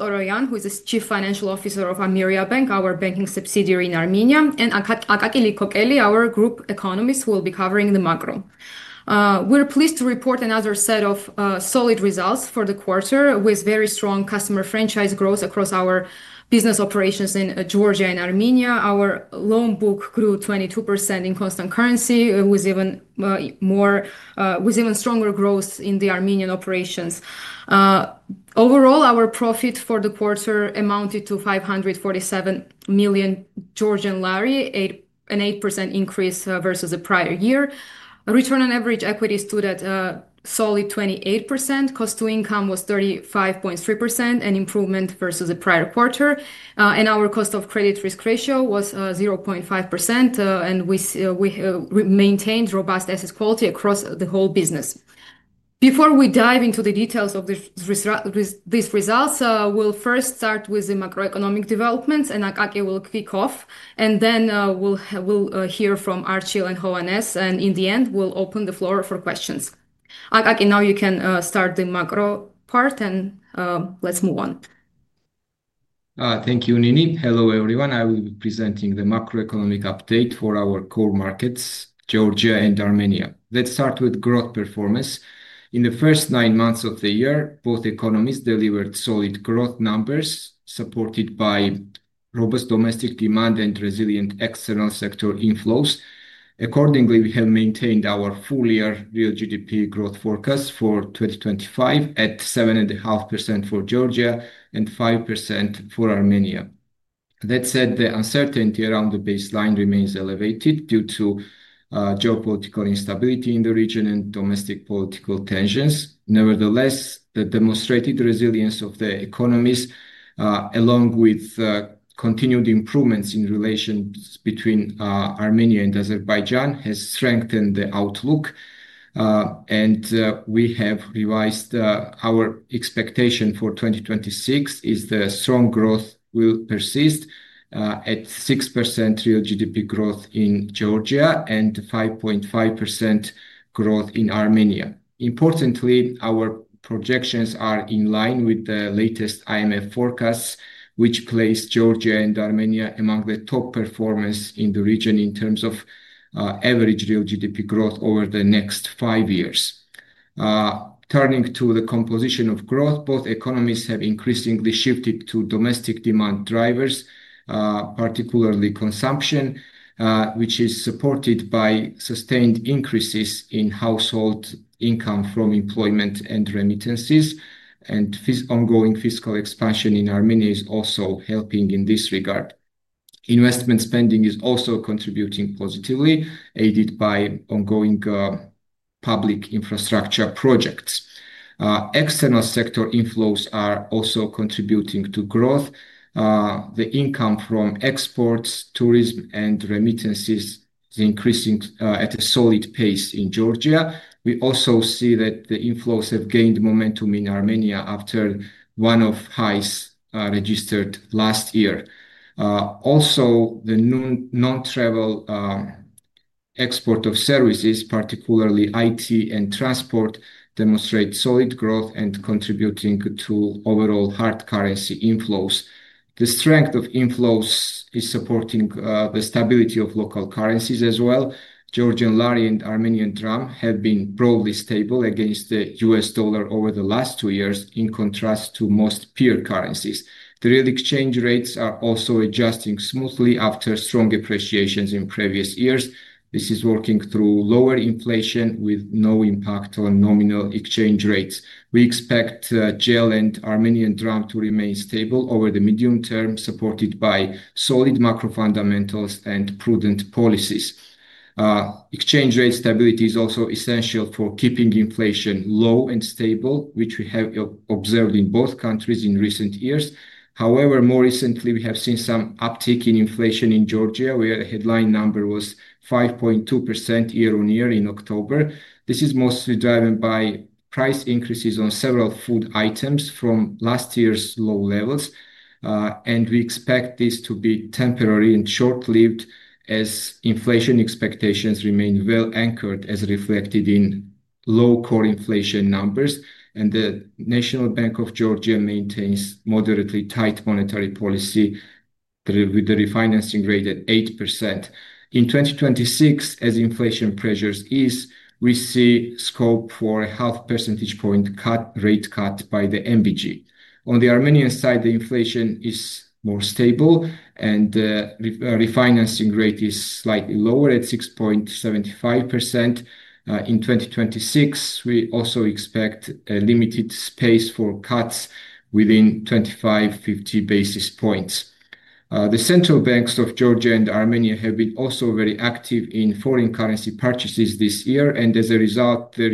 Toroyan, who is the Chief Financial Officer of Ameriabank, our banking subsidiary in Armenia, and Akaki Liqokeli, our Group Economist, who will be covering the macro. We're pleased to report another set of solid results for the quarter, with very strong customer franchise growth across our business operations in Georgia and Armenia. Our loan book grew 22% in constant currency, with even stronger growth in the Armenian operations. Overall, our profit for the quarter amounted to GEL 547 million, an 8% increase versus the prior year. Return on average equity stood at a solid 28%, cost to income was 35.3%, an improvement versus the prior quarter, and our cost of credit risk ratio was 0.5%, and we maintained robust asset quality across the whole business. Before we dive into the details of these results, we'll first start with the macroeconomic developments, and Akaki will kick off, and then we'll hear from Archil and Hovhannes, and in the end, we'll open the floor for questions. Akaki, now you can start the macro part, and let's move on. Thank you, Nini. Hello, everyone. I will be presenting the macroeconomic update for our core markets, Georgia and Armenia. Let's start with growth performance. In the first nine months of the year, both economies delivered solid growth numbers supported by robust domestic demand and resilient external sector inflows. Accordingly, we have maintained our full-year real GDP growth forecast for 2025 at 7.5% for Georgia and 5% for Armenia. That said, the uncertainty around the baseline remains elevated due to geopolitical instability in the region and domestic political tensions. Nevertheless, the demonstrated resilience of the economies, along with continued improvements in relations between Armenia and Azerbaijan, has strengthened the outlook, and we have revised our expectation for 2026, as the strong growth will persist at 6% real GDP growth in Georgia and 5.5% growth in Armenia. Importantly, our projections are in line with the latest IMF forecasts, which place Georgia and Armenia among the top performers in the region in terms of average real GDP growth over the next five years. Turning to the composition of growth, both economies have increasingly shifted to domestic demand drivers, particularly consumption, which is supported by sustained increases in household income from employment and remittances, and ongoing fiscal expansion in Armenia is also helping in this regard. Investment spending is also contributing positively, aided by ongoing public infrastructure projects. External sector inflows are also contributing to growth. The income from exports, tourism, and remittances is increasing at a solid pace in Georgia. We also see that the inflows have gained momentum in Armenia after one of the highest registered last year. Also, the non-travel export of services, particularly IT and transport, demonstrates solid growth and is contributing to overall hard currency inflows. The strength of inflows is supporting the stability of local currencies as well. Georgian Lari and Armenian Dram have been broadly stable against the U.S. dollar over the last two years, in contrast to most peer currencies. The real exchange rates are also adjusting smoothly after strong appreciations in previous years. This is working through lower inflation with no impact on nominal exchange rates. We expect Georgian Lari and Armenian Dram to remain stable over the medium term, supported by solid macro fundamentals and prudent policies. Exchange rate stability is also essential for keeping inflation low and stable, which we have observed in both countries in recent years. However, more recently, we have seen some uptick in inflation in Georgia, where the headline number was 5.2% year-on-year in October. This is mostly driven by price increases on several food items from last year's low levels, and we expect this to be temporary and short-lived as inflation expectations remain well anchored, as reflected in low core inflation numbers, and the National Bank of Georgia maintains moderately tight monetary policy with a refinancing rate at 8%. In 2026, as inflation pressures ease, we see scope for a half percentage point rate cut by the NBG. On the Armenian side, the inflation is more stable, and the refinancing rate is slightly lower at 6.75%. In 2026, we also expect a limited space for cuts within 25-50 basis points. The central banks of Georgia and Armenia have been also very active in foreign currency purchases this year, and as a result, their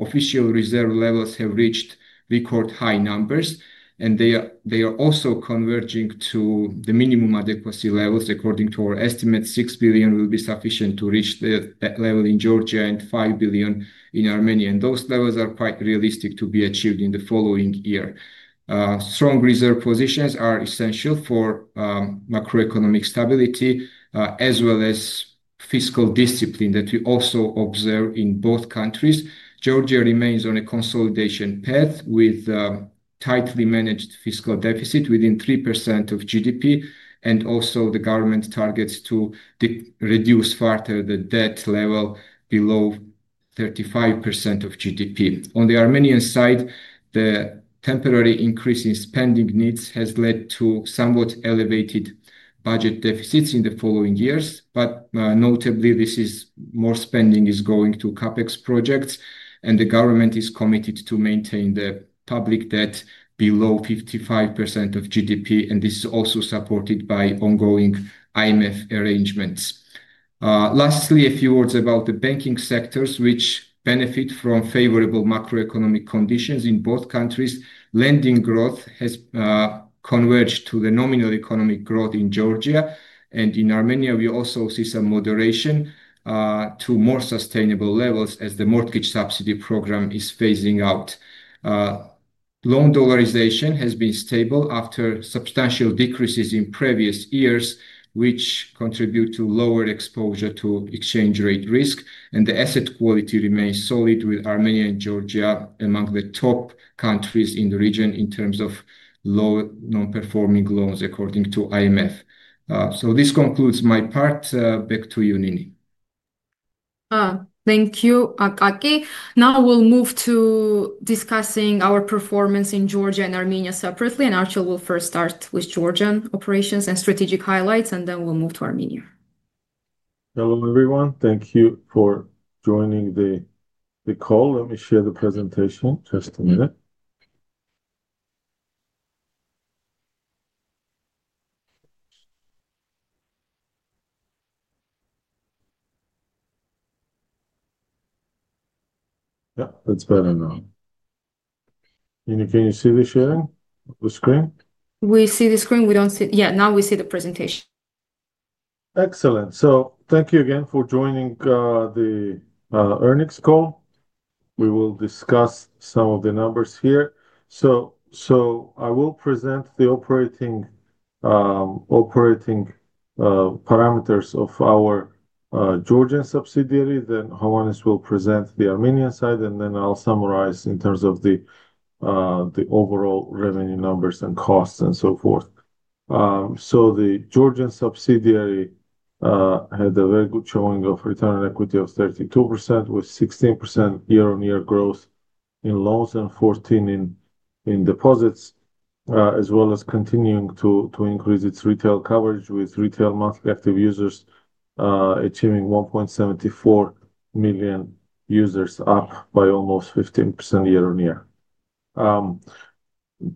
official reserve levels have reached record high numbers, and they are also converging to the minimum adequacy levels. According to our estimate, GEL 6 billion will be sufficient to reach that level in Georgia and AMD 5 billion in Armenia, and those levels are quite realistic to be achieved in the following year. Strong reserve positions are essential for macroeconomic stability, as well as fiscal discipline that we also observe in both countries. Georgia remains on a consolidation path with a tightly managed fiscal deficit within 3% of GDP, and also the government targets to reduce further the debt level below 35% of GDP. On the Armenian side, the temporary increase in spending needs has led to somewhat elevated budget deficits in the following years, but notably, this is more spending going to CapEx projects, and the government is committed to maintain the public debt below 55% of GDP, and this is also supported by ongoing IMF arrangements. Lastly, a few words about the banking sectors, which benefit from favorable macroeconomic conditions in both countries. Lending growth has converged to the nominal economic growth in Georgia, and in Armenia, we also see some moderation to more sustainable levels as the mortgage subsidy program is phasing out. Loan dollarization has been stable after substantial decreases in previous years, which contribute to lower exposure to exchange rate risk, and the asset quality remains solid with Armenia and Georgia among the top countries in the region in terms of low non-performing loans, according to IMF. This concludes my part. Back to you, Nini. Thank you, Akaki. Now we'll move to discussing our performance in Georgia and Armenia separately, and Archil will first start with Georgian operations and strategic highlights, and then we'll move to Armenia. Hello, everyone. Thank you for joining the call. Let me share the presentation just a minute. Yeah, that's better now. Nini, can you see the sharing of the screen? We see the screen. We don't see it. Yeah, now we see the presentation. Excellent. Thank you again for joining the earnings call. We will discuss some of the numbers here. I will present the operating parameters of our Georgian subsidiary. Hovhannes will present the Armenian side, and then I'll summarize in terms of the overall revenue numbers and costs and so forth. The Georgian subsidiary had a very good showing of return on equity of 32%, with 16% year-on-year growth in loans and 14% in deposits, as well as continuing to increase its retail coverage, with retail monthly active users achieving 1.74 million users, up by almost 15% year-on-year.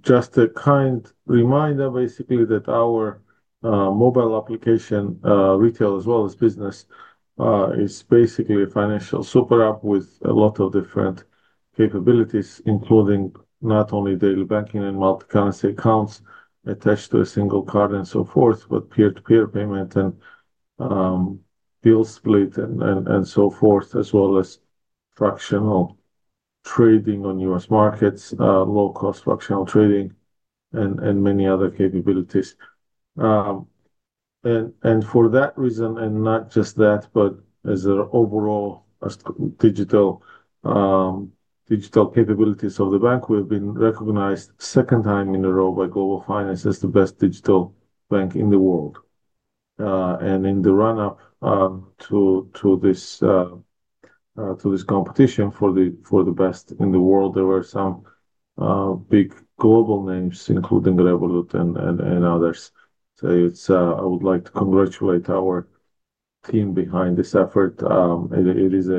Just a kind reminder, basically, that our mobile application, retail as well as business, is basically a financial super app with a lot of different capabilities, including not only daily banking and multicurrency accounts attached to a single card and so forth, but peer-to-peer payment and bill split and so forth, as well as fractional trading on US markets, low-cost fractional trading, and many other capabilities. For that reason, and not just that, but as an overall digital capabilities of the bank, we have been recognized second time in a row by Global Finance as the best digital bank in the world. In the run-up to this competition for the best in the world, there were some big global names, including Revolut and others. I would like to congratulate our team behind this effort. It is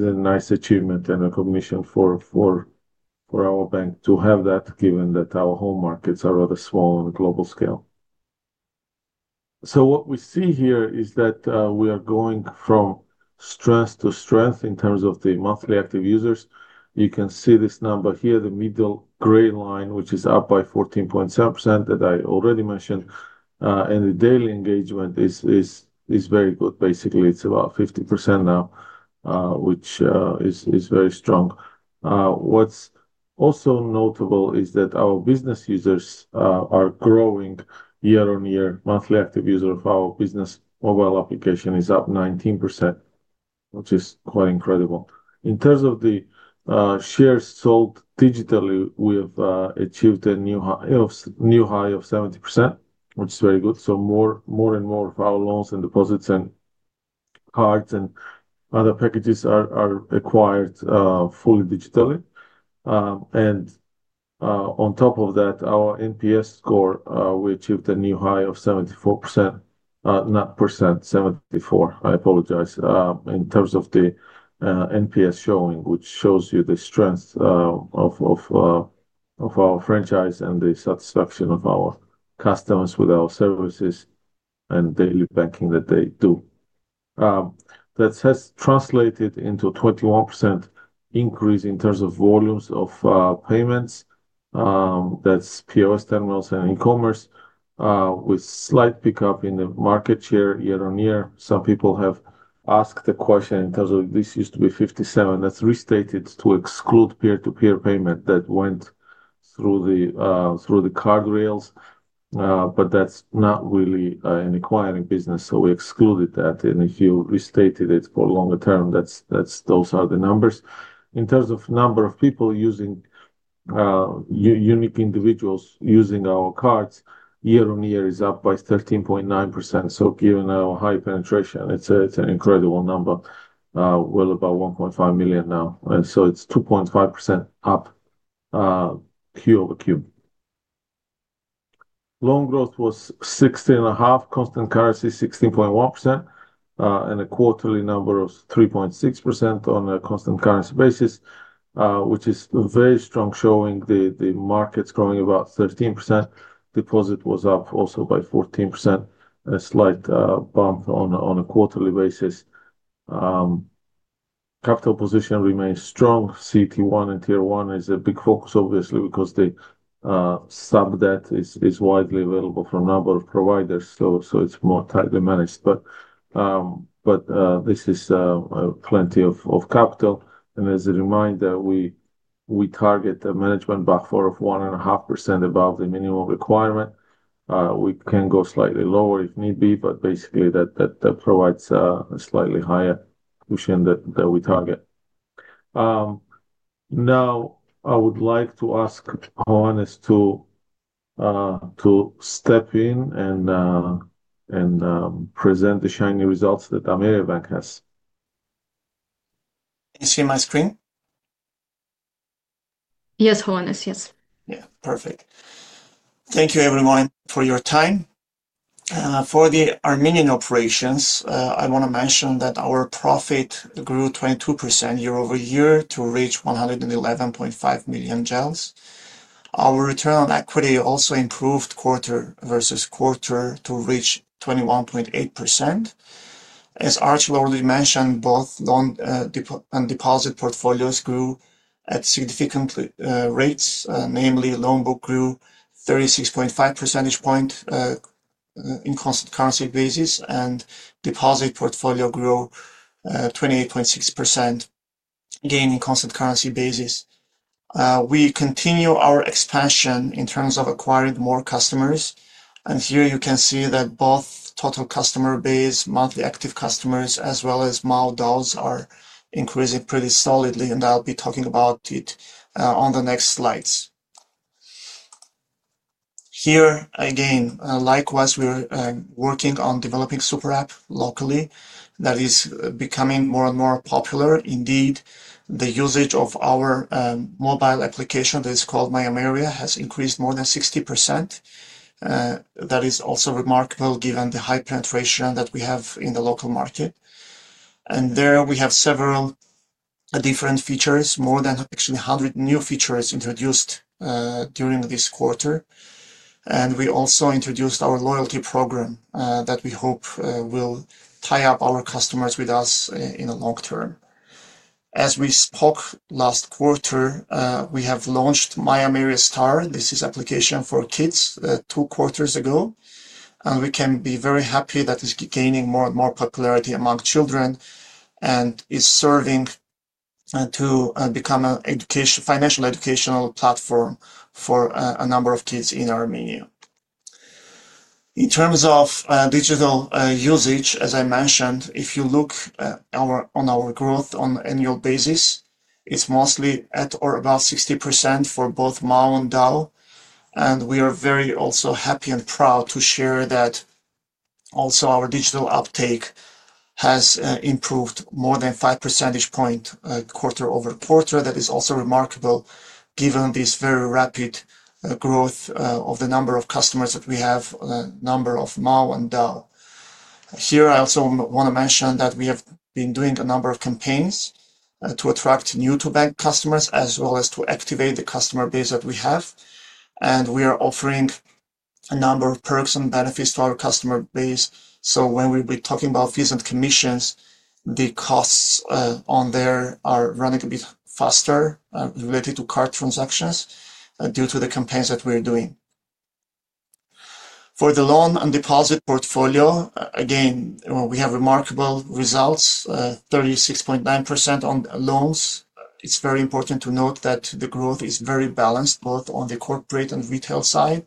a nice achievement and a recognition for our bank to have that, given that our home markets are rather small on a global scale. What we see here is that we are going from strength to strength in terms of the monthly active users. You can see this number here, the middle gray line, which is up by 14.7% that I already mentioned, and the daily engagement is very good. Basically, it's about 50% now, which is very strong. What's also notable is that our business users are growing year-on-year. Monthly active user of our business mobile application is up 19%, which is quite incredible. In terms of the shares sold digitally, we have achieved a new high of 70%, which is very good. More and more of our loans and deposits and cards and other packages are acquired fully digitally. On top of that, our NPS score, we achieved a new high of 74, I apologize, in terms of the NPS showing, which shows you the strength of our franchise and the satisfaction of our customers with our services and daily banking that they do. That has translated into a 21% increase in terms of volumes of payments. That is POS, terminals, and e-commerce, with slight pickup in the market share year-on-year. Some people have asked the question in terms of this used to be 57. That is restated to exclude peer-to-peer payment that went through the card rails, but that is not really an acquiring business, so we excluded that. If you restated it for longer term, those are the numbers. In terms of the number of people using unique individuals using our cards, year-on-year is up by 13.9%. Given our high penetration, it's an incredible number, well above 1.5 million now. It's 2.5% up quarter over quarter. Loan growth was 16.5%, constant currency 16.1%, and a quarterly number of 3.6% on a constant currency basis, which is very strong, showing the markets growing about 13%. Deposit was up also by 14%, a slight bump on a quarterly basis. Capital position remains strong. CET1 and Tier 1 is a big focus, obviously, because the sub-debt is widely available from a number of providers, so it's more tightly managed. This is plenty of capital. As a reminder, we target a management buffer of 1.5% above the minimum requirement. We can go slightly lower if need be, but basically, that provides a slightly higher cushion that we target. Now, I would like to ask Hovhannes to step in and present the shiny results that Ameriabank has. Can you see my screen? Yes, Hovhannes, yes. Yeah, perfect. Thank you, everyone, for your time. For the Armenian operations, I want to mention that our profit grew 22% year-over-year to reach AMD 111.5 million. Our return on equity also improved quarter versus quarter to reach 21.8%. As Archil already mentioned, both loan and deposit portfolios grew at significant rates, namely, loan book grew 36.5 percentage points in constant currency basis, and deposit portfolio grew 28.6% again in constant currency basis. We continue our expansion in terms of acquiring more customers. Here you can see that both total customer base, monthly active customers, as well as mild DAOs are increasing pretty solidly, and I'll be talking about it on the next slides. Here, again, likewise, we're working on developing a super app locally that is becoming more and more popular. Indeed, the usage of our mobile application that is called MyAmeria has increased more than 60%. That is also remarkable given the high penetration that we have in the local market. There we have several different features, more than actually 100 new features introduced during this quarter. We also introduced our loyalty program that we hope will tie up our customers with us in the long term. As we spoke last quarter, we have launched MyAmeria Star. This is an application for kids two quarters ago, and we can be very happy that it's gaining more and more popularity among children and is serving to become an educational financial educational platform for a number of kids in Armenia. In terms of digital usage, as I mentioned, if you look on our growth on an annual basis, it's mostly at or about 60% for both MAU and DAO. We are very also happy and proud to share that also our digital uptake has improved more than 5 percentage points quarter over quarter. That is also remarkable given this very rapid growth of the number of customers that we have, the number of MAU and DAO. Here, I also want to mention that we have been doing a number of campaigns to attract new-to-bank customers, as well as to activate the customer base that we have. We are offering a number of perks and benefits to our customer base. When we will be talking about fees and commissions, the costs on there are running a bit faster related to card transactions due to the campaigns that we are doing. For the loan and deposit portfolio, again, we have remarkable results, 36.9% on loans. It's very important to note that the growth is very balanced both on the corporate and retail side.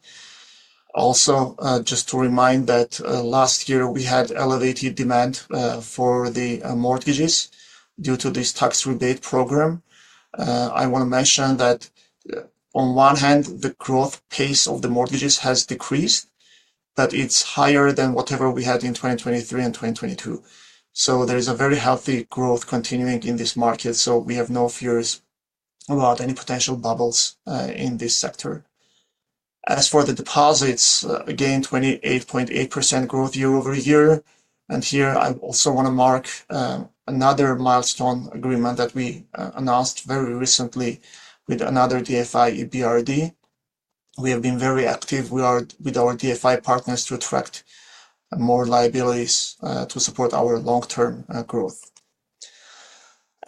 Also, just to remind that last year, we had elevated demand for the mortgages due to this tax rebate program. I want to mention that on one hand, the growth pace of the mortgages has decreased, but it's higher than whatever we had in 2023 and 2022. There is a very healthy growth continuing in this market. We have no fears about any potential bubbles in this sector. As for the deposits, again, 28.8% growth year-over-year. Here, I also want to mark another milestone agreement that we announced very recently with another DFI EBRD. We have been very active with our DFI partners to attract more liabilities to support our long-term growth.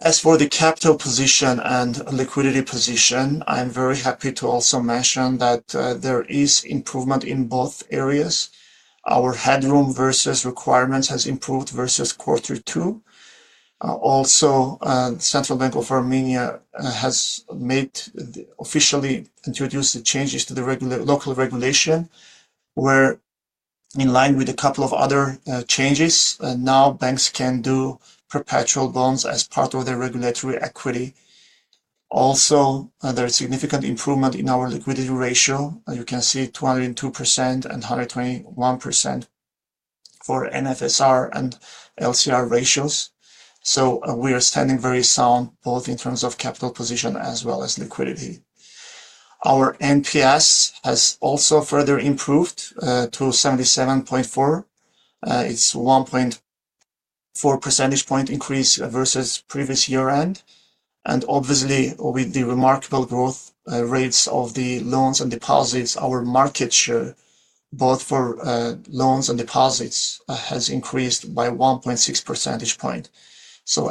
As for the capital position and liquidity position, I'm very happy to also mention that there is improvement in both areas. Our headroom versus requirements has improved versus quarter two. Also, Central Bank of Armenia has officially introduced the changes to the local regulation, where in line with a couple of other changes, now banks can do perpetual loans as part of their regulatory equity. Also, there is significant improvement in our liquidity ratio. You can see 202% and 121% for NSFR and LCR ratios. We are standing very sound both in terms of capital position as well as liquidity. Our NPS has also further improved to 77.4. It's 1.4 percentage point increase versus previous year-end. Obviously, with the remarkable growth rates of the loans and deposits, our market share both for loans and deposits has increased by 1.6 percentage point.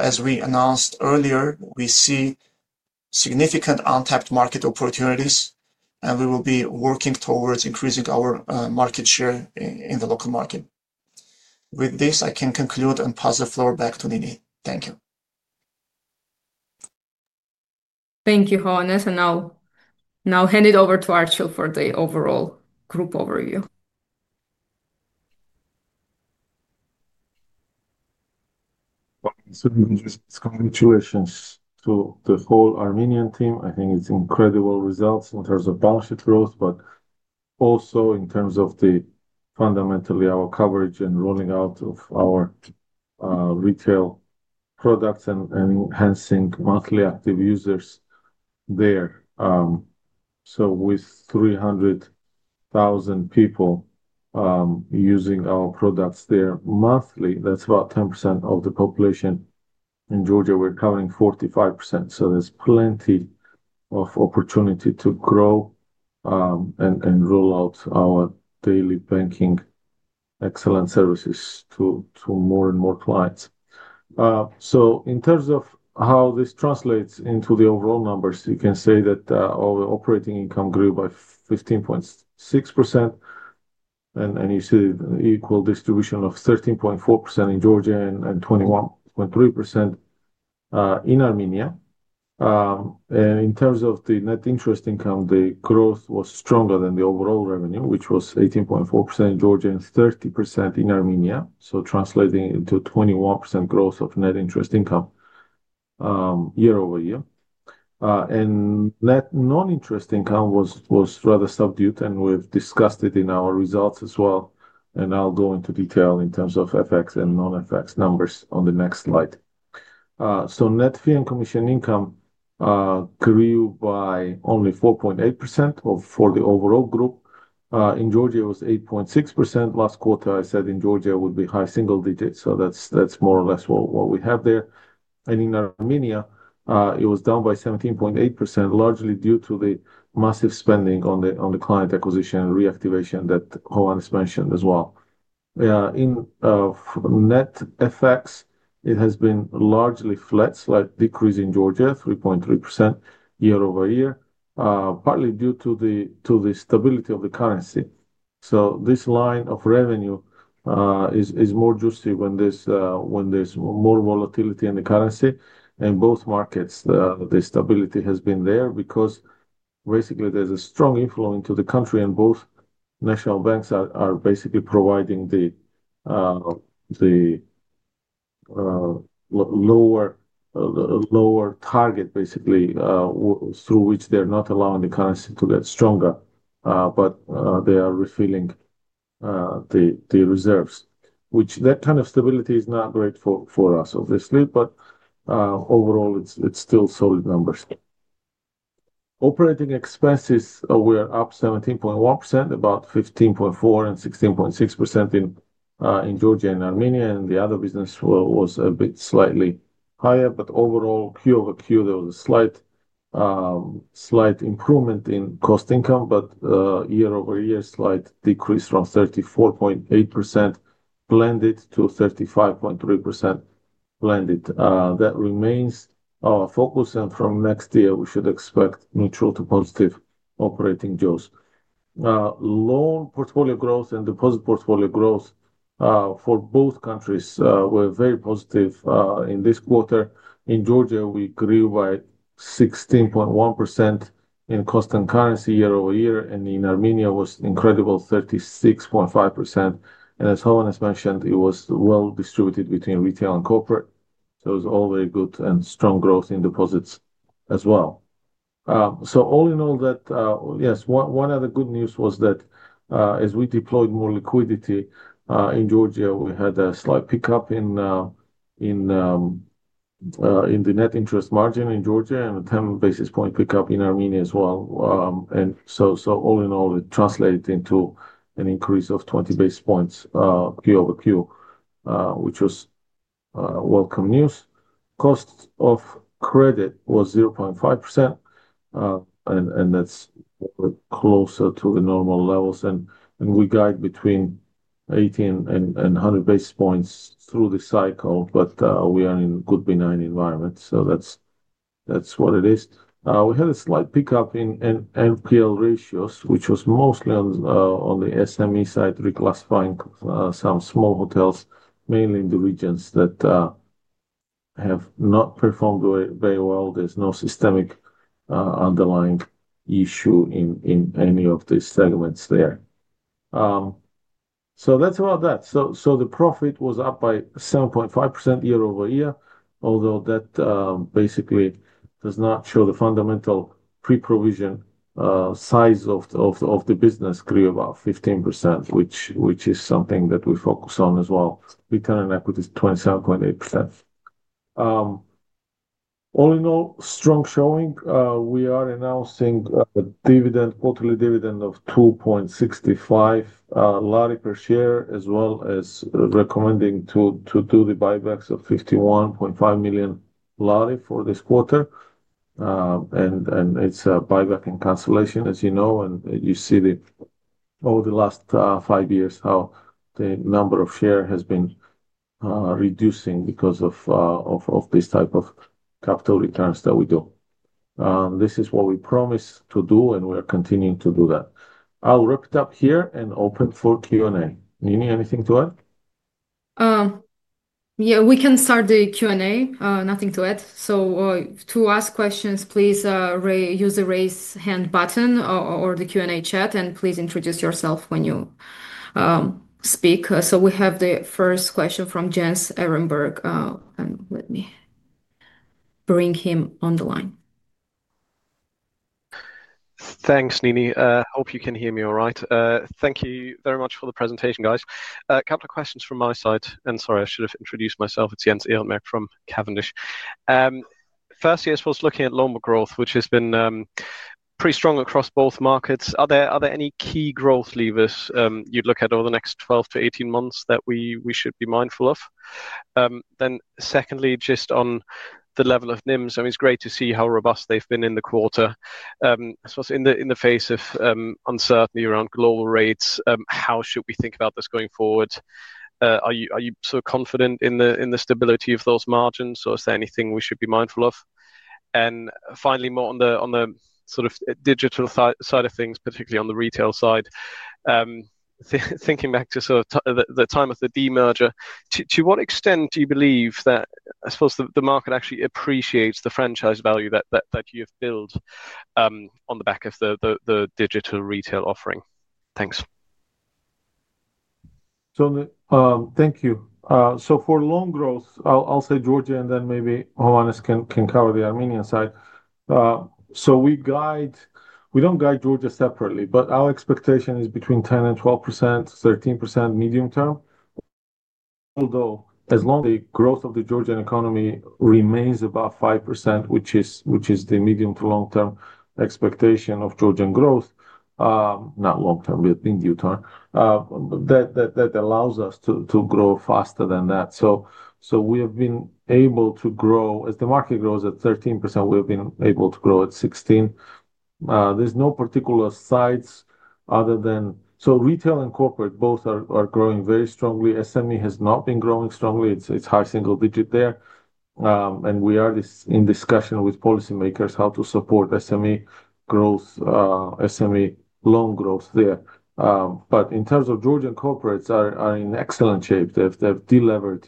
As we announced earlier, we see significant untapped market opportunities, and we will be working towards increasing our market share in the local market. With this, I can conclude and pass the floor back to Nini. Thank you. Thank you, Hovhannes. I now hand it over to Archil for the overall group overview. Congratulations to the whole Armenian team. I think it's incredible results in terms of balance sheet growth, but also in terms of fundamentally our coverage and rolling out of our retail products and enhancing monthly active users there. With 300,000 people using our products there monthly, that's about 10% of the population. In Georgia, we're covering 45%. There's plenty of opportunity to grow and roll out our daily banking excellent services to more and more clients. In terms of how this translates into the overall numbers, you can say that our operating income grew by 15.6%, and you see the equal distribution of 13.4% in Georgia and 21.3% in Armenia. In terms of the net interest income, the growth was stronger than the overall revenue, which was 18.4% in Georgia and 30% in Armenia. This translates into 21% growth of net interest income year-over-year. Net non-interest income was rather subdued, and we've discussed it in our results as well. I'll go into detail in terms of FX and non-FX numbers on the next slide. Net fee and commission income grew by only 4.8% for the overall group. In Georgia, it was 8.6%. Last quarter, I said in Georgia would be high single digits. That's more or less what we have there. In Armenia, it was down by 17.8%, largely due to the massive spending on the client acquisition and reactivation that Hovhannes mentioned as well. In net FX, it has been largely flat, slight decrease in Georgia, 3.3% year-over-year, partly due to the stability of the currency. This line of revenue is more juicy when there's more volatility in the currency. In both markets, the stability has been there because basically there's a strong influence into the country, and both national banks are basically providing the lower target, basically, through which they're not allowing the currency to get stronger, but they are refilling the reserves, which that kind of stability is not great for us, obviously, but overall, it's still solid numbers. Operating expenses, we are up 17.1%, about 15.4% and 16.6% in Georgia and Armenia. The other business was a bit slightly higher, but overall, Q over Q, there was a slight improvement in cost income, but year-over-year, slight decrease from 34.8% blended to 35.3% blended. That remains our focus, and from next year, we should expect neutral to positive operating growth. Loan portfolio growth and deposit portfolio growth for both countries were very positive in this quarter. In Georgia, we grew by 16.1% in cost and currency year-over-year, and in Armenia, it was incredible, 36.5%. As Hovhannes mentioned, it was well distributed between retail and corporate. It was all very good and strong growth in deposits as well. All in all, yes, one other good news was that as we deployed more liquidity in Georgia, we had a slight pickup in the net interest margin in Georgia and a 10 basis point pickup in Armenia as well. All in all, it translated into an increase of 20 basis points Q over Q, which was welcome news. Cost of credit was 0.5%, and that's closer to the normal levels. We guide between 18 and 100 basis points through the cycle, but we are in a good benign environment. That's what it is. We had a slight pickup in NPL ratios, which was mostly on the SME side, reclassifying some small hotels, mainly in the regions that have not performed very well. There is no systemic underlying issue in any of the segments there. That is about that. The profit was up by 7.5% year-over-year, although that basically does not show the fundamental pre-provision size of the business grew about 15%, which is something that we focus on as well. Return on equity is 27.8%. All in all, strong showing. We are announcing a quarterly dividend of GEL 2.65 per share, as well as recommending to do the buybacks of GEL 51.5 million for this quarter. It is a buyback and cancellation, as you know, and you see over the last five years how the number of shares has been reducing because of this type of capital returns that we do. This is what we promised to do, and we are continuing to do that. I'll wrap it up here and open for Q&A. Nini, anything to add? Yeah, we can start the Q&A. Nothing to add. To ask questions, please use the raise hand button or the Q&A chat, and please introduce yourself when you speak. We have the first question from Jens Ehrenberg. Let me bring him on the line. Thanks, Nini. I hope you can hear me all right. Thank you very much for the presentation, guys. A couple of questions from my side. Sorry, I should have introduced myself. It's Jens Ehrenberg from Cavendish. Firstly, as far as looking at loan growth, which has been pretty strong across both markets, are there any key growth levers you'd look at over the next 12 to 18 months that we should be mindful of? Secondly, just on the level of NIMs, I mean, it's great to see how robust they've been in the quarter. In the face of uncertainty around global rates, how should we think about this going forward? Are you sort of confident in the stability of those margins, or is there anything we should be mindful of? Finally, more on the sort of digital side of things, particularly on the retail side. Thinking back to sort of the time of the de-merger, to what extent do you believe that, I suppose, the market actually appreciates the franchise value that you've built on the back of the digital retail offering? Thanks. Thank you. For loan growth, I'll say Georgia, and then maybe Hovhannes can cover the Armenian side. We don't guide Georgia separately, but our expectation is between 10% and 12%, 13% medium term. Although, as long as the growth of the Georgian economy remains above 5%, which is the medium to long-term expectation of Georgian growth, not long-term, but medium-term, that allows us to grow faster than that. We have been able to grow, as the market grows at 13%, we have been able to grow at 16%. There's no particular sides other than retail and corporate both are growing very strongly. SME has not been growing strongly. It's high single digit there. We are in discussion with policymakers how to support SME growth, SME loan growth there. In terms of Georgian corporates, they are in excellent shape. They've delivered,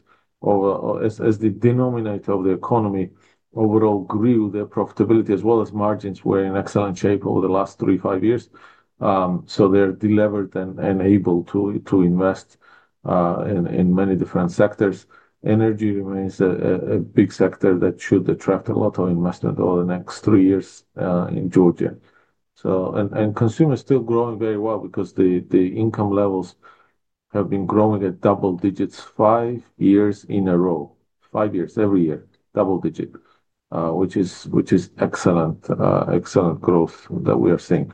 as the denominator of the economy, overall grew their profitability, as well as margins were in excellent shape over the last three, five years. They've delivered and able to invest in many different sectors. Energy remains a big sector that should attract a lot of investment over the next three years in Georgia. Consumers are still growing very well because the income levels have been growing at double digits five years in a row, five years every year, double digit, which is excellent growth that we are seeing.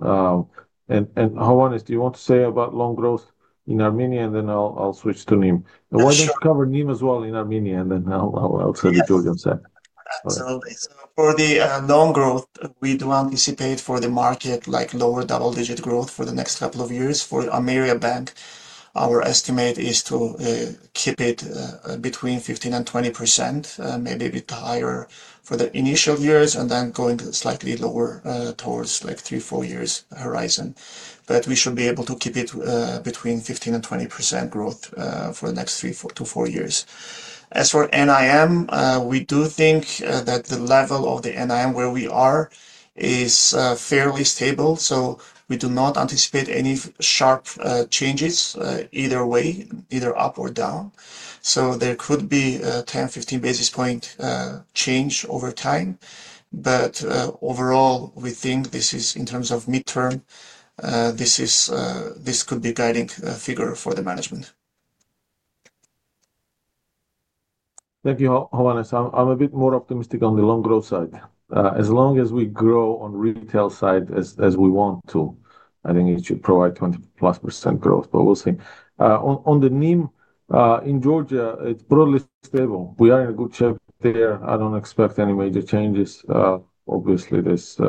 Hovhannes, do you want to say about loan growth in Armenia, and then I'll switch to NIM? Why don't you cover NIM as well in Armenia, and then I'll say the Georgian side. Absolutely. For the loan growth, we do anticipate for the market like lower double-digit growth for the next couple of years. For Ameriabank, our estimate is to keep it between 15% and 20%, maybe a bit higher for the initial years, and then going slightly lower towards like three, four years horizon. We should be able to keep it between 15% and 20% growth for the next three to four years. As for NIM, we do think that the level of the NIM where we are is fairly stable. We do not anticipate any sharp changes either way, either up or down. There could be a 10-15 basis point change over time. Overall, we think this is in terms of midterm, this could be a guiding figure for the management. Thank you, Hovhannes. I'm a bit more optimistic on the loan growth side. As long as we grow on the retail side as we want to, I think it should provide 20%+ growth, but we'll see. On the NIM, in Georgia, it's broadly stable. We are in a good shape there. I don't expect any major changes. Obviously, this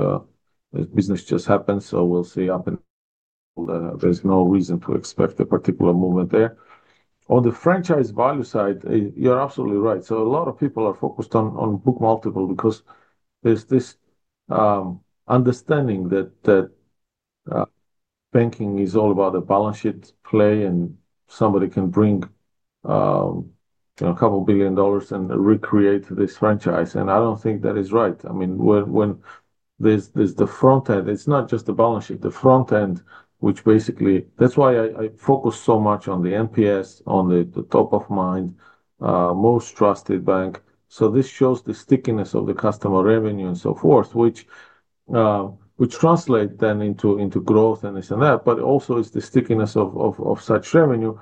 business just happened, so we'll see up and down. There's no reason to expect a particular movement there. On the franchise value side, you're absolutely right. A lot of people are focused on book multiple because there's this understanding that banking is all about a balance sheet play, and somebody can bring a couple of billion dollars and recreate this franchise. I don't think that is right. I mean, when there's the front end, it's not just the balance sheet. The front end, which basically that's why I focus so much on the NPS, on the top of mind, most trusted bank. This shows the stickiness of the customer revenue and so forth, which translates then into growth and this and that, but also it's the stickiness of such revenue.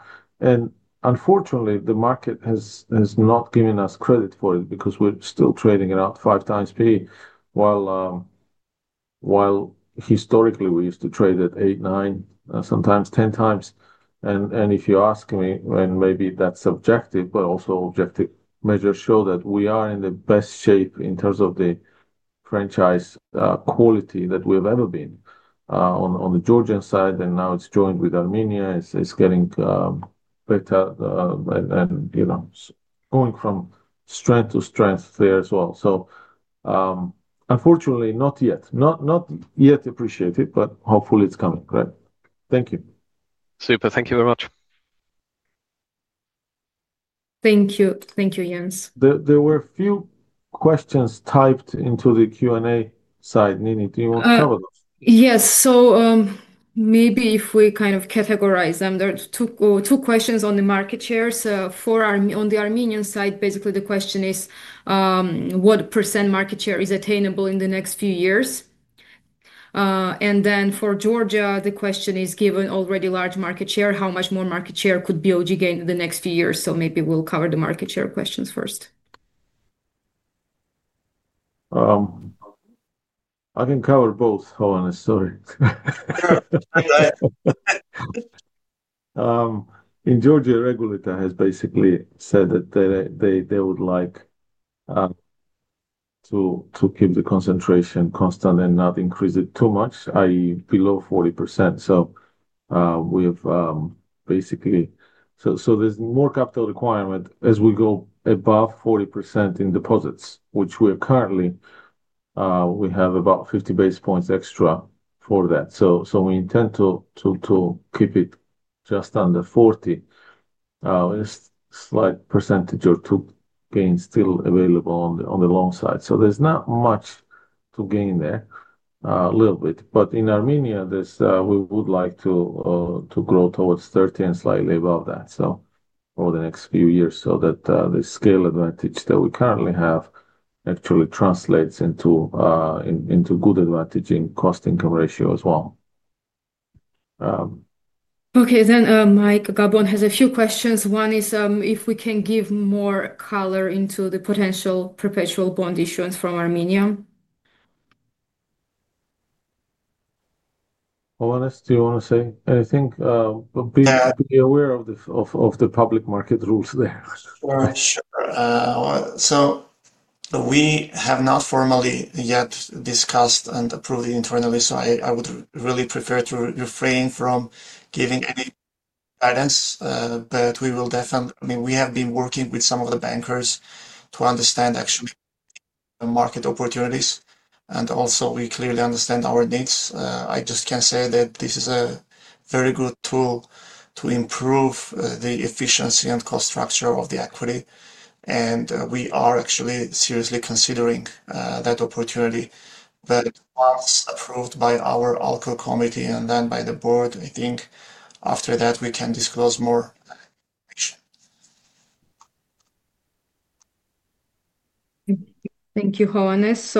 Unfortunately, the market has not given us credit for it because we're still trading at five times P/E, while historically we used to trade at eight, nine, sometimes 10 times. If you ask me, and maybe that's subjective, but also objective measures show that we are in the best shape in terms of the franchise quality that we have ever been on the Georgian side. Now it's joined with Armenia. It's getting better and going from strength to strength there as well. Unfortunately, not yet. Not yet appreciated, but hopefully it's coming, right? Thank you. Super. Thank you very much. Thank you. Thank you, Jens. There were a few questions typed into the Q&A side. Nini, do you want to cover those? Yes. Maybe if we kind of categorize them, there are two questions on the market shares. On the Armenian side, basically the question is, what percent market share is attainable in the next few years? For Georgia, the question is, given already large market share, how much more market share could BOG gain in the next few years? Maybe we will cover the market share questions first. I can cover both, Hovhannes. Sorry. In Georgia, a regulator has basically said that they would like to keep the concentration constant and not increase it too much, i.e., below 40%. We have basically so there is more capital requirement as we go above 40% in deposits, which we are currently we have about 50 basis points extra for that. We intend to keep it just under 40%. There is a slight percentage or two gains still available on the long side. There is not much to gain there, a little bit. In Armenia, we would like to grow towards 30% and slightly above that over the next few years so that the scale advantage that we currently have actually translates into good advantage in cost to income ratio as well. Okay. Mike Gabon has a few questions. One is if we can give more color into the potential perpetual bond issuance from Armenia. Hovhannes, do you want to say anything? Be aware of the public market rules there. Sure. We have not formally yet discussed and approved internally, so I would really prefer to refrain from giving any guidance. We will definitely, I mean, we have been working with some of the bankers to understand actually the market opportunities. Also, we clearly understand our needs. I just can say that this is a very good tool to improve the efficiency and cost structure of the equity. We are actually seriously considering that opportunity. Once approved by our ALCO committee and then by the board, I think after that we can disclose more information. Thank you, Hovhannes.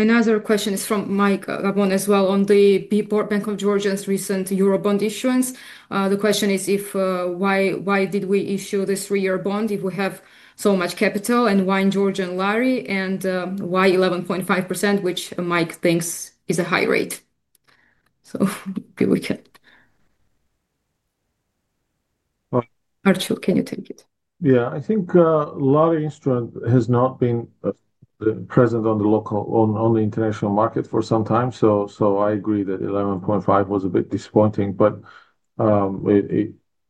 Another question is from Mike Gabon as well on the Bank of Georgia's recent Eurobond issuance. The question is if why did we issue this three-year bond if we have so much capital and why in Georgian Lari and why 11.5%, which Mike thinks is a high rate. Maybe we can, Archil, can you take it? Yeah. I think Lari instrument has not been present on the local or the international market for some time. I agree that 11.5% was a bit disappointing, but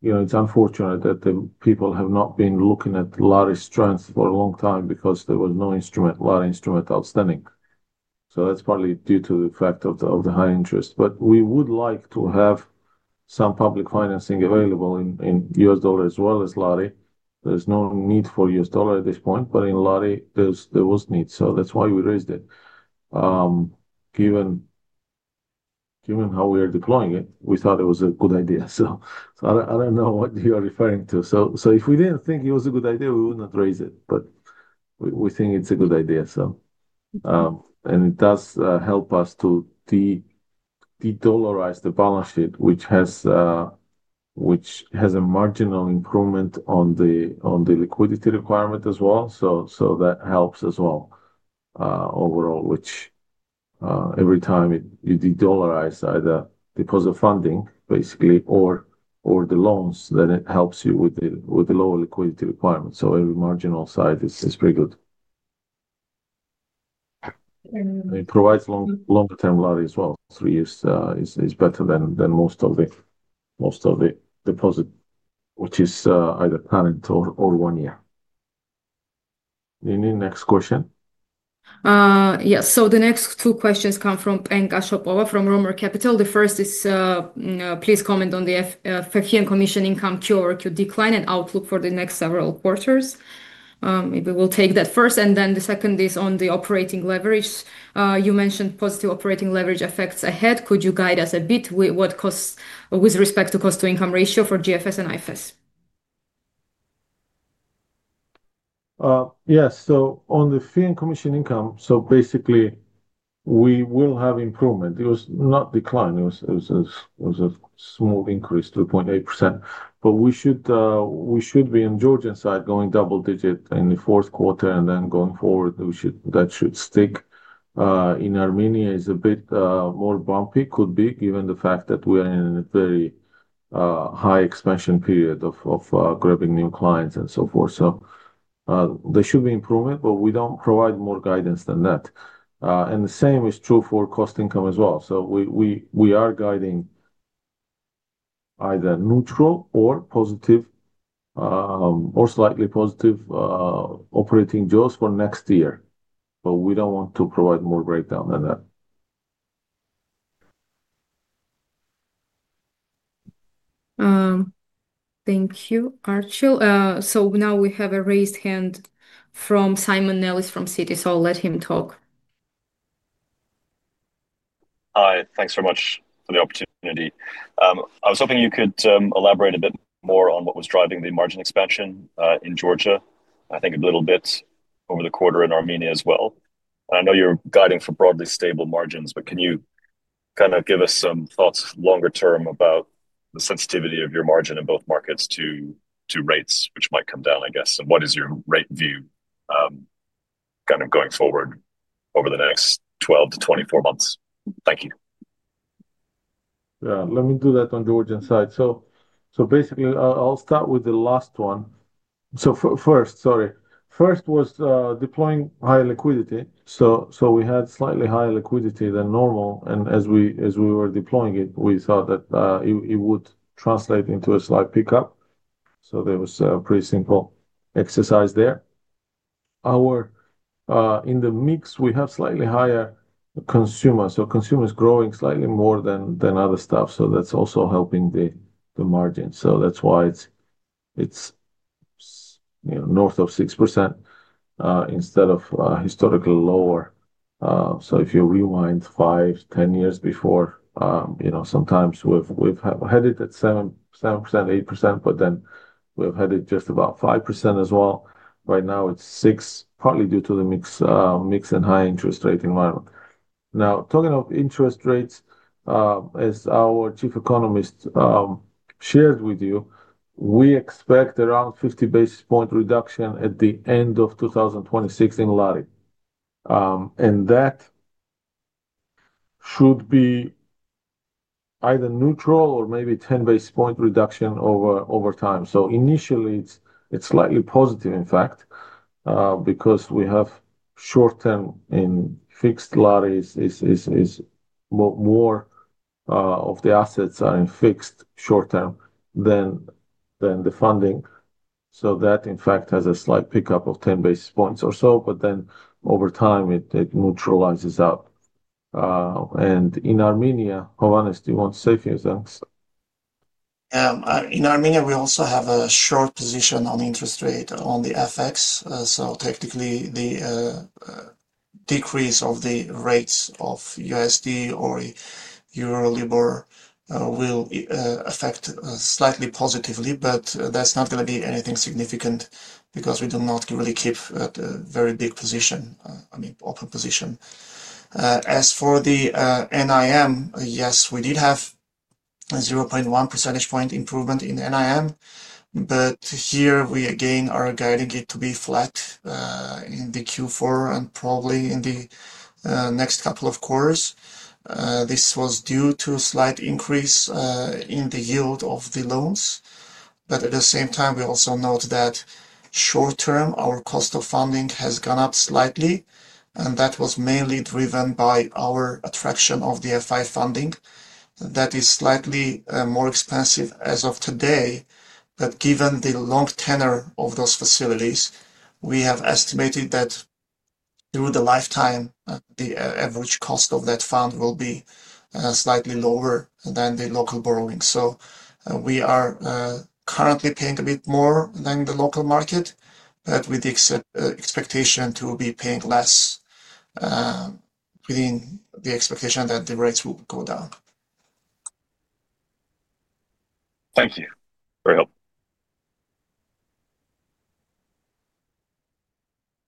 it's unfortunate that people have not been looking at Lari strength for a long time because there was no instrument, Lari instrument outstanding. That's partly due to the fact of the high interest. We would like to have some public financing available in U.S. dollar as well as Lari. There's no need for U.S. dollar at this point, but in Lari, there was need. That's why we raised it. Given how we are deploying it, we thought it was a good idea. I don't know what you are referring to. If we didn't think it was a good idea, we wouldn't raise it. We think it's a good idea. It does help us to de-dollarize the balance sheet, which has a marginal improvement on the liquidity requirement as well. That helps as well overall, which every time you de-dollarize either deposit funding, basically, or the loans, then it helps you with the lower liquidity requirement. Every marginal side is pretty good. It provides longer-term Lari as well. Three years is better than most of the deposit, which is either current or one year. Nini, next question. Yes. The next two questions come from Artem Yamschikov from Roemer Capital. The first is, please comment on the Fee and Commission Income QORQ decline and outlook for the next several quarters. Maybe we will take that first. The second is on the operating leverage. You mentioned positive operating leverage effects ahead. Could you guide us a bit with respect to cost-to-income ratio for GFS and IFS? Yes. On the Fee and Commission Income, basically, we will have improvement. It was not a decline. It was a small increase, 2.8%. We should be on the Georgian side going double-digit in the fourth quarter and then going forward. That should stick. In Armenia, it is a bit more bumpy. Could be given the fact that we are in a very high expansion period of grabbing new clients and so forth. There should be improvement, but we do not provide more guidance than that. The same is true for cost income as well. We are guiding either neutral or positive or slightly positive operating growth for next year. We do not want to provide more breakdown than that. Thank you, Archil. Now we have a raised hand from Simon Nellis from CITI. I'll let him talk. Hi. Thanks very much for the opportunity. I was hoping you could elaborate a bit more on what was driving the margin expansion in Georgia, I think a little bit over the quarter in Armenia as well. I know you're guiding for broadly stable margins, but can you kind of give us some thoughts longer term about the sensitivity of your margin in both markets to rates, which might come down, I guess? What is your rate view kind of going forward over the next 12 to 24 months? Thank you. Yeah. Let me do that on Georgian side. Basically, I'll start with the last one. First, sorry. First was deploying high liquidity. We had slightly higher liquidity than normal. As we were deploying it, we thought that it would translate into a slight pickup. There was a pretty simple exercise there. In the mix, we have slightly higher consumers. Consumers are growing slightly more than other stuff. That's also helping the margin. That's why it's north of 6% instead of historically lower. If you rewind 5, 10 years before, sometimes we've had it at 7%, 8%, but then we've had it just about 5% as well. Right now, it's 6%, probably due to the mix and high interest rate environment. Now, talking of interest rates, as our Chief Economist shared with you, we expect around 50 basis point reduction at the end of 2026 in Lari. That should be either neutral or maybe 10 basis point reduction over time. Initially, it's slightly positive, in fact, because we have short-term in fixed Lari, more of the assets are in fixed short-term than the funding. That, in fact, has a slight pickup of 10 basis points or so, but over time, it neutralizes out. In Armenia, Hovhannes, do you want to say a few things? In Armenia, we also have a short position on interest rate on the FX. Technically, the decrease of the rates of USD or Euro Libor will affect slightly positively, but that's not going to be anything significant because we do not really keep a very big position, I mean, open position. As for the NIM, yes, we did have a 0.1 percentage point improvement in NIM, but here we, again, are guiding it to be flat in the Q4 and probably in the next couple of quarters. This was due to a slight increase in the yield of the loans. At the same time, we also note that short-term, our cost of funding has gone up slightly, and that was mainly driven by our attraction of the FI funding. That is slightly more expensive as of today, but given the long tenor of those facilities, we have estimated that through the lifetime, the average cost of that fund will be slightly lower than the local borrowing. We are currently paying a bit more than the local market, but with the expectation to be paying less within the expectation that the rates will go down. Thank you. Very helpful.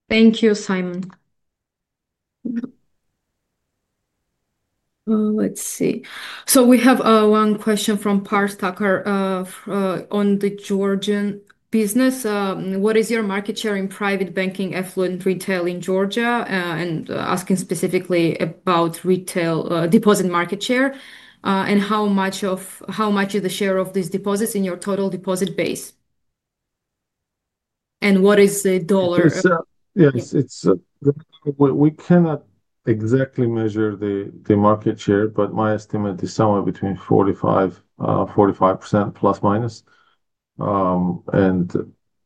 Thank you, Simon. Let's see. We have one question from Pars Tucker on the Georgian business. What is your market share in private banking affluent retail in Georgia? Asking specifically about retail deposit market share and how much is the share of these deposits in your total deposit base? What is the dollar? Yes. We cannot exactly measure the market share, but my estimate is somewhere between 45%±.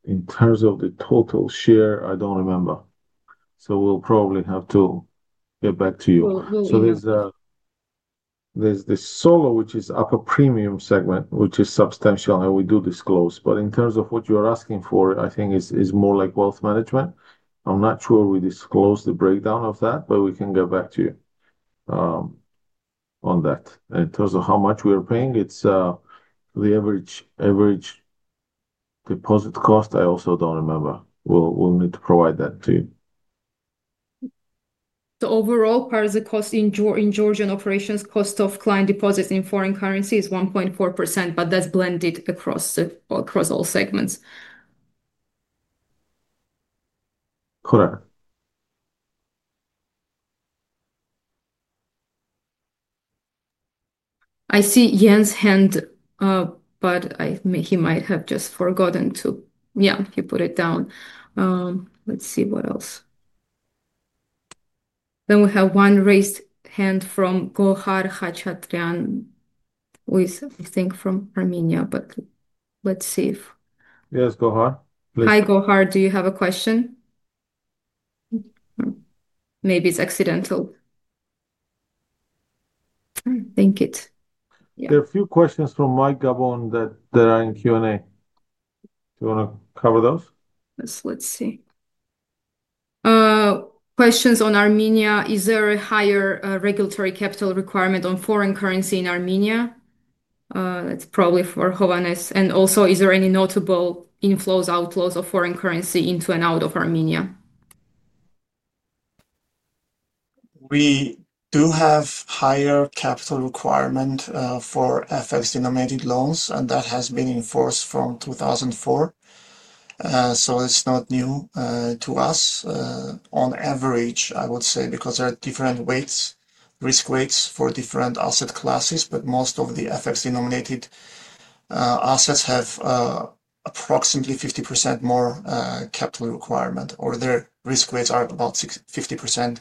In terms of the total share, I do not remember. We will probably have to get back to you. There is the SOLO, which is upper premium segment, which is substantial, and we do disclose. In terms of what you are asking for, I think it is more like wealth management. I am not sure we disclose the breakdown of that, but we can get back to you on that. In terms of how much we are paying, it is the average deposit cost. I also do not remember. We will need to provide that to you. Overall, as far as cost in Georgian operations, cost of client deposits in foreign currency is 1.4%, but that's blended across all segments. Correct. I see Jens' hand, but he might have just forgotten to. Yeah, he put it down. Let's see what else. We have one raised hand from Gohar Khachatryan, who is, I think, from Armenia, but let's see if. Yes, Gohar. Hi, Gohar. Do you have a question? Maybe it's accidental. I think it is. There are a few questions from Mike Gabon that are in Q&A. Do you want to cover those? Let's see. Questions on Armenia. Is there a higher regulatory capital requirement on foreign currency in Armenia? That's probably for Hovhannes. Also, is there any notable inflows/outflows of foreign currency into and out of Armenia? We do have higher capital requirement for FX-denominated loans, and that has been enforced from 2004. It is not new to us. On average, I would say, because there are different risk weights for different asset classes, but most of the FX-denominated assets have approximately 50% more capital requirement, or their risk weights are about 50%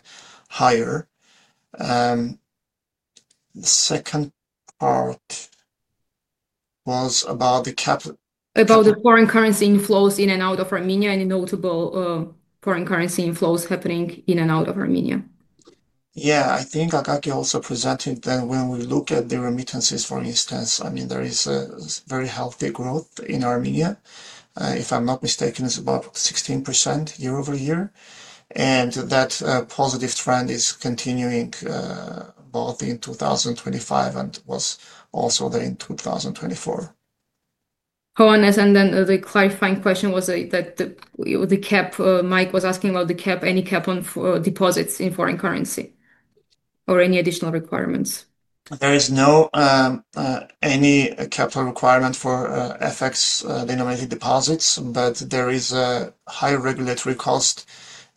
higher. The second part was about the capital. About the foreign currency inflows in and out of Armenia and notable foreign currency inflows happening in and out of Armenia. Yeah. I think Akaki also presented that when we look at the remittances, for instance, I mean, there is a very healthy growth in Armenia. If I'm not mistaken, it's about 16% year over year. That positive trend is continuing both in 2025 and was also there in 2024. Hovhannes, and then the clarifying question was that the cap Mike was asking about the cap, any cap on deposits in foreign currency or any additional requirements. There is no any capital requirement for FX-denominated deposits, but there is a high regulatory cost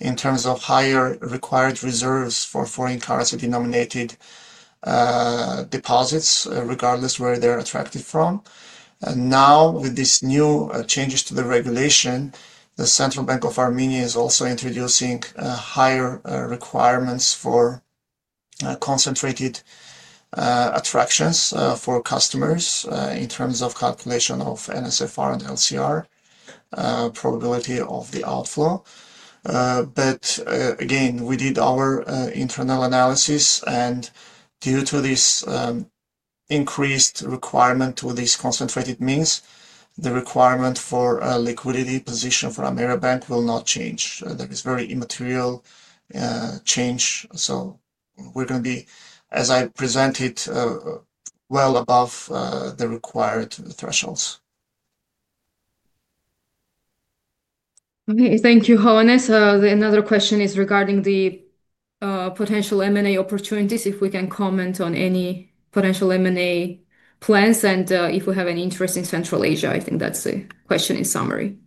in terms of higher required reserves for foreign currency-denominated deposits, regardless where they're attracted from. Now, with these new changes to the regulation, the Central Bank of Armenia is also introducing higher requirements for concentrated attractions for customers in terms of calculation of NSFR and LCR probability of the outflow. Again, we did our internal analysis, and due to this increased requirement to these concentrated means, the requirement for a liquidity position for Ameriabank will not change. That is very immaterial change. We are going to be, as I presented, well above the required thresholds. Okay. Thank you, Hovhannes. Another question is regarding the potential M&A opportunities, if we can comment on any potential M&A plans and if we have any interest in Central Asia. I think that's the question in summary.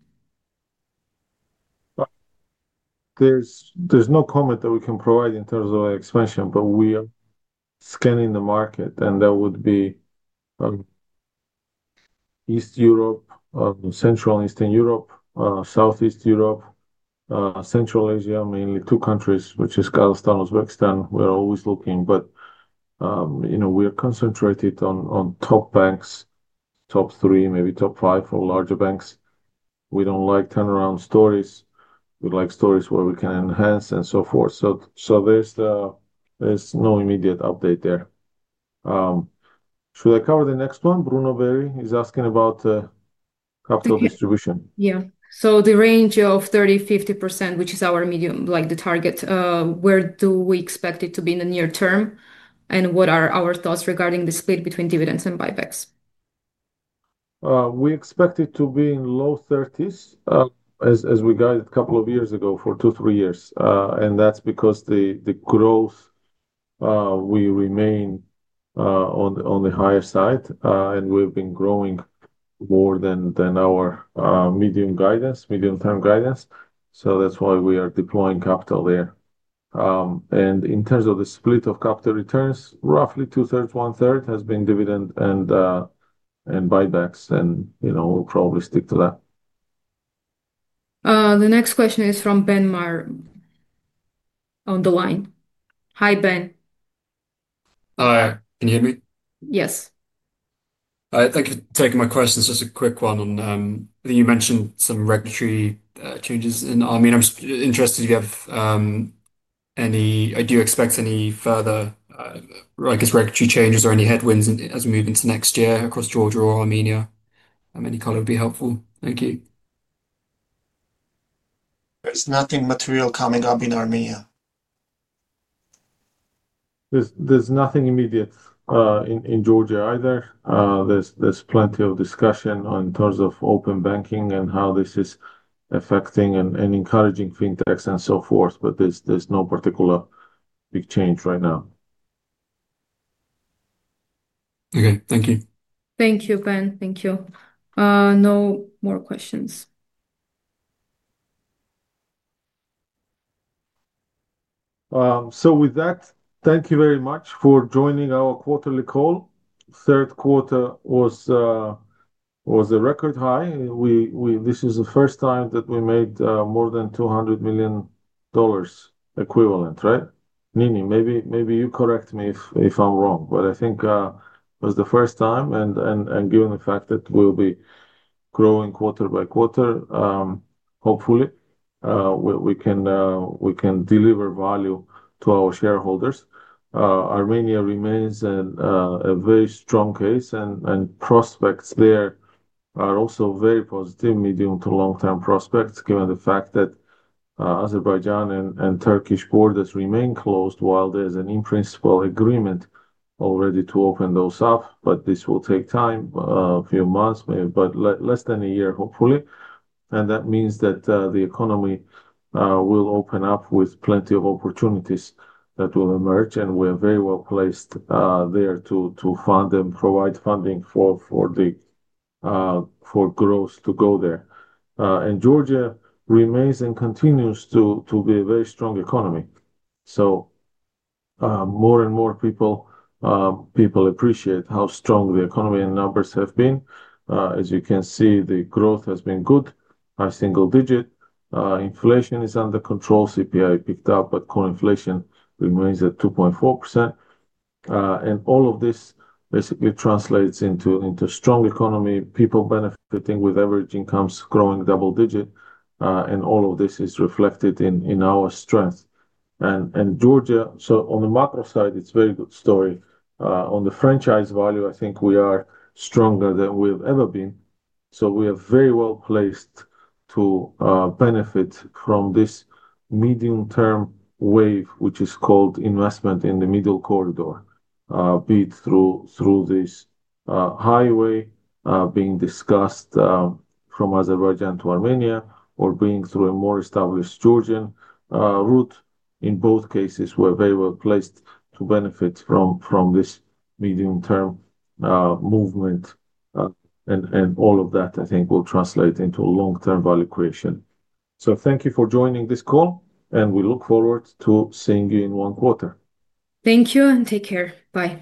There's no comment that we can provide in terms of expansion, but we are scanning the market, and that would be East Europe, Central and Eastern Europe, Southeast Europe, Central Asia, mainly two countries, which is Kazakhstan, Uzbekistan. We're always looking, but we're concentrated on top banks, top three, maybe top five for larger banks. We don't like turnaround stories. We like stories where we can enhance and so forth. There is no immediate update there. Should I cover the next one? Bruno Berry is asking about capital distribution. Yeah. The range of 30%-50%, which is our medium, like the target, where do we expect it to be in the near term? What are our thoughts regarding the split between dividends and buybacks? We expect it to be in the low 30s, as we guided a couple of years ago for two, three years. That is because the growth, we remain on the higher side, and we have been growing more than our medium-term guidance. That is why we are deploying capital there. In terms of the split of capital returns, roughly two-thirds, one-third has been dividend and buybacks, and we will probably stick to that. The next question is from Ben Maher on the line. Hi, Ben. Hi. Can you hear me? Yes. Thank you for taking my question. It's just a quick one. You mentioned some regulatory changes in Armenia. I'm interested if you have any idea or expect any further, I guess, regulatory changes or any headwinds as we move into next year across Georgia or Armenia. Any color would be helpful. Thank you. There's nothing material coming up in Armenia. There's nothing immediate in Georgia either. There's plenty of discussion in terms of open banking and how this is affecting and encouraging fintechs and so forth, but there's no particular big change right now. Okay. Thank you. Thank you, Ben. Thank you. No more questions. Thank you very much for joining our quarterly call. Third quarter was a record high. This is the first time that we made more than $200 million equivalent, right? Nini, maybe you correct me if I'm wrong, but I think it was the first time. Given the fact that we'll be growing quarter by quarter, hopefully, we can deliver value to our shareholders. Armenia remains a very strong case, and prospects there are also very positive, medium to long-term prospects, given the fact that Azerbaijan and Turkish borders remain closed, while there's an in-principle agreement already to open those up. This will take time, a few months, but less than a year, hopefully. That means that the economy will open up with plenty of opportunities that will emerge, and we are very well placed there to fund and provide funding for growth to go there. Georgia remains and continues to be a very strong economy. More and more people appreciate how strong the economy and numbers have been. As you can see, the growth has been good, a single-digit. Inflation is under control. CPI picked up, but core inflation remains at 2.4%. All of this basically translates into a strong economy, people benefiting with average incomes growing double-digit, and all of this is reflected in our strength. Georgia, on the macro side, is a very good story. On the franchise value, I think we are stronger than we've ever been. We are very well placed to benefit from this medium-term wave, which is called investment in the middle corridor, be it through this highway being discussed from Azerbaijan to Armenia or being through a more established Georgian route. In both cases, we are very well placed to benefit from this medium-term movement. All of that, I think, will translate into a long-term value creation. Thank you for joining this call, and we look forward to seeing you in one quarter. Thank you and take care. Bye.